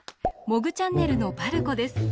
モグチャンネルのばるこです。